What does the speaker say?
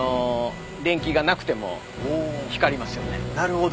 なるほど。